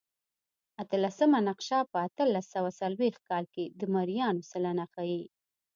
اتلسمه نقشه په اتلس سوه څلوېښت کال کې د مریانو سلنه ښيي.